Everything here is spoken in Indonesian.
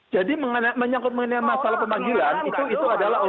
jadi menyangkut mengenai masalah pemerintahan itu adalah penegangan hukum